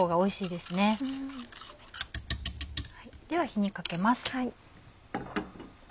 では火にかけます。